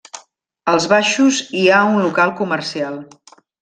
Als baixos hi ha un local comercial.